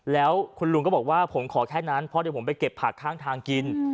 แล้วคุณลุงก็บอกว่าผมขอแค่นั้นเพราะเดี๋ยวผมไปเก็บผักข้างทางกิน